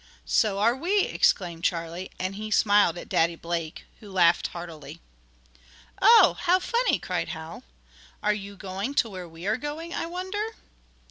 "So are we!" exclaimed Charlie, and he smiled at Daddy Blake, who laughed heartily. "Oh, how funny!" cried Hal. "Are you going to where we are going, I wonder?"